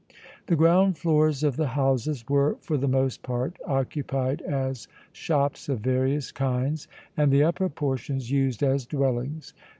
The ground floors of the houses were for the most part occupied as shops of various kinds and the upper portions used as dwellings.